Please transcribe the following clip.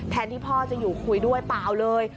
ที่พ่อจะอยู่คุยด้วยเปล่าเลย